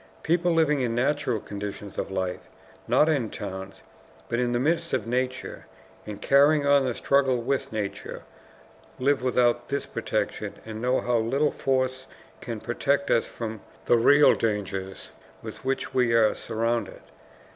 People living in natural conditions of life, not in towns, but in the midst of nature, and carrying on the struggle with nature, live without this protection and know how little force can protect us from the real dangers with which we are surrounded.